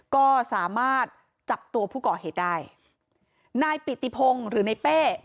ก็สามารถจับตัวผู้ก่อเหตุได้นายปิติพงศ์หรือในเป้